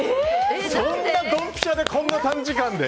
そんなドンピシャでこんな短時間で？